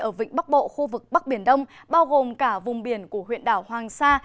ở vịnh bắc bộ khu vực bắc biển đông bao gồm cả vùng biển của huyện đảo hoàng sa